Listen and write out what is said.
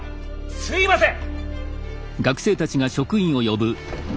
すいません！